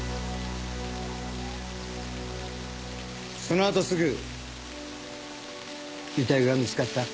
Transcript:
その後すぐ遺体が見つかった。